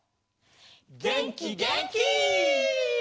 げんきげんき！